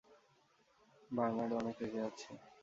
Bernardo অনেক রেগে আছে।